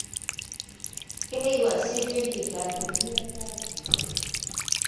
Kay wasipim pikantiriya karqan.